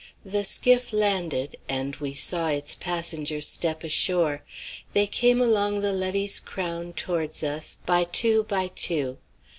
The skiff landed, and we saw its passengers step ashore. They came along the levee's crown towards us, "by two, by two."